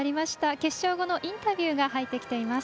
決勝後のインタビュー入ってきています。